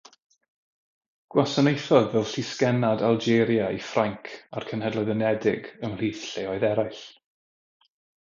Gwasanaethodd fel Llysgennad Algeria i Ffrainc a'r Cenhedloedd Unedig ymhlith lleoedd eraill.